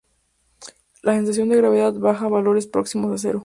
La sensación de gravedad baja a valores próximos a cero.